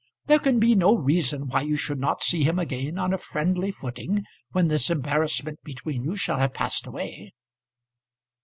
There can be no reason why you should not see him again on a friendly footing when this embarrassment between you shall have passed away."